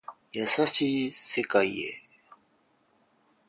優しい世界へ